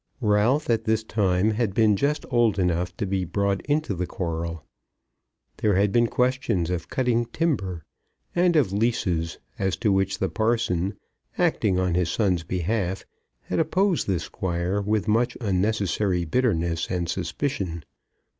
Ralph at this time had been just old enough to be brought into the quarrel. There had been questions of cutting timber and of leases, as to which the parson, acting on his son's behalf, had opposed the Squire with much unnecessary bitterness and suspicion.